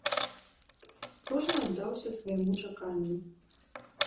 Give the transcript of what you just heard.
Кожны аддаўся свайму чаканню.